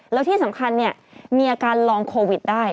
แล้วที่สำคัญมีอาการลองโควิดได้